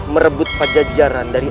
merebut pajajaran dari